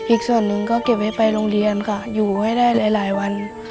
อีกส่วนหนึ่งก็เก็บไว้ไปโรงเรียนค่ะอยู่ให้ได้หลายวัน